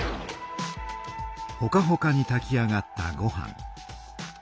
ほかほかにたき上がったごはん。